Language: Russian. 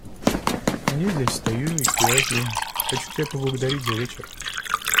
А я здесь стою и тебя жду, хочу тебя поблагодарить за вечер.